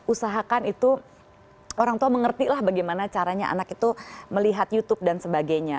usahakan itu orang tua mengertilah bagaimana caranya anak itu melihat youtube dan sebagainya